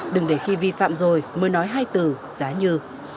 đừng để khi vi phạm rồi mới nói hai từ giá như